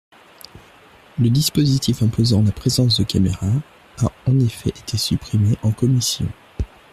Le dispositif imposant la présence de caméras a en effet été supprimé en commission.